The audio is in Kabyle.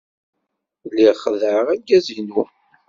Lliɣ xeddɛeɣ argaz-inu.